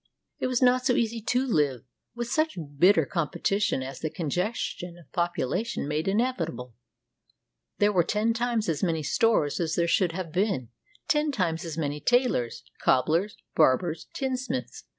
245 RUSSIA It was not so easy to live, with such bitter competi tion as the congestion of population made inevitable. There were ten times as many stores as there should have been, ten times as many tailors, cobblers, barbers, tinsmiths.